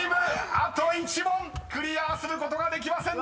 あと１問クリアすることができませんでした］